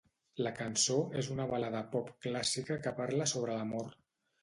La cançó és una balada pop clàssica que parla sobre l'amor.